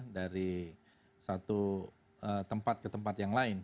dari satu tempat ke tempat yang lain